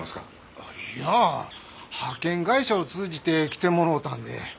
いや派遣会社を通じて来てもろうたんで。